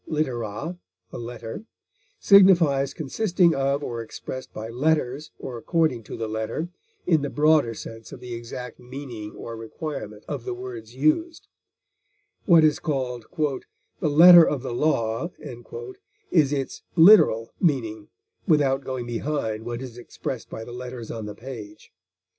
litera, a letter) signifies consisting of or expressed by letters, or according to the letter, in the broader sense of the exact meaning or requirement of the words used; what is called "the letter of the law" is its literal meaning without going behind what is expressed by the letters on the page.